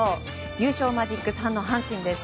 優勝マジック３の阪神です。